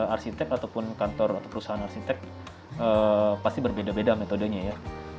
arsitek ataupun kantor atau perusahaan arsitek pasti berbeda beda metodenya ya